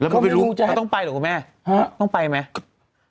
ก็ไม่รู้จะแหละแล้วต้องไปหรือคุณแม่ต้องไปไหมคุณแม่